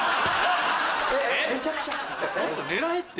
もっと狙えって。